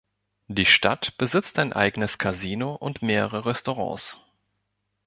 Die Stadt besitzt ein eigenes Casino und mehrere Restaurants.